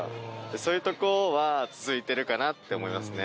そういうとこは続いてるかなって思いますね。